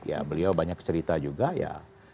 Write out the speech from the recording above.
ya beliau banyak cerita juga ya